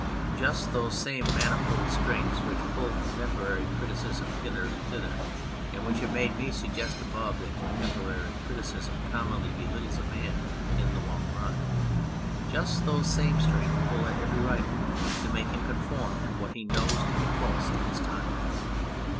Just those same manifold strings which pull contemporary criticism hither and thither, and which have made me suggest above that con temporary criticism commonly belittles a man in the long run, just those same strings pull at every writer to make him conform to what he knows to be false 150 Hans Christian Andersen in his time.